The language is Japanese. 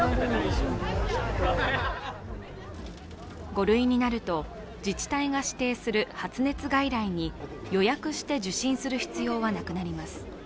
５類になると、自治体が指定する発熱外来に予約して受診する必要はなくなります。